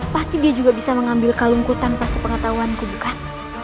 pasti dia juga bisa mengambil kalungku tanpa sepengetahuanku bukan